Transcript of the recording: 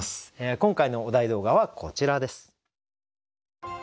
今回のお題動画はこちらです。